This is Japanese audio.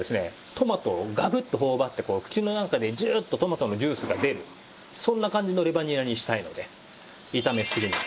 トマトをガブッと頬張ってこう口の中でジューッとトマトのジュースが出るそんな感じのレバにらにしたいので炒めすぎない。